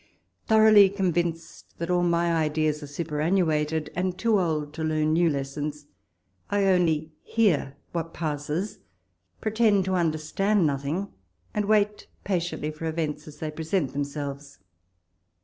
Thoroughly con vinced that all my ideas are superannuated, and too old to learn new lessons, I only hear what passes, pretend to understand nothing, and wait patiently for events as they present themselves.